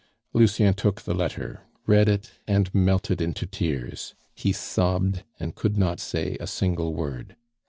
Lucien took the letter, read it, and melted into tears. He sobbed, and could not say a single word.